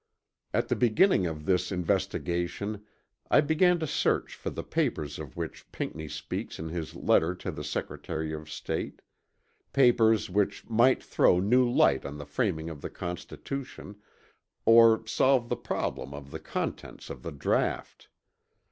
At the beginning of this investigation I began to search for the papers of which Pinckney speaks in his letter to the Secretary of State papers which might throw new light on the framing of the Constitution or solve the problem of the contents of the draught.